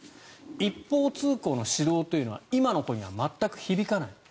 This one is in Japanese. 一方通行の指導というのは今の子には全く響かない。